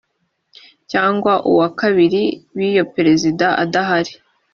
cyangwa uwa kabiri biyo perezida adahari